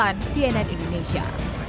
dan siena indonesia